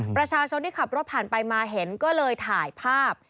ประชาชนที่ขับรถผ่านไปมาเห็นก็เลยถ่ายภาพ